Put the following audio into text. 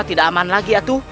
tidak aman lagi ya tuh